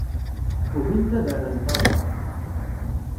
Ugint ad rrent aḍar.